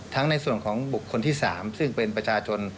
ในส่วนของบุคคลที่๓ซึ่งเป็นประชาชน